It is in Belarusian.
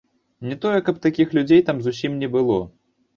Не тое каб такіх людзей там зусім не было.